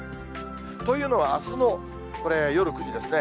というのは、あすのこれ、夜９時ですね。